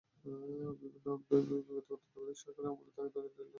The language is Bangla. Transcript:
বিগত তত্ত্বাবধায়ক সরকারের আমলে তাঁকে ধরিয়ে দিতে ইন্টারপোলে রেড নোটিশও পাঠানো হয়।